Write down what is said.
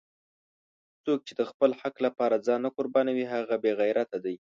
څوک چې د خپل حق لپاره ځان نه قربانوي هغه بېغیرته دی!